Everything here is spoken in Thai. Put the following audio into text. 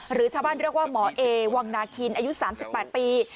หรือชาวบ้านเรียกว่าหมอเอวังนาคินอายุ๓๘ปี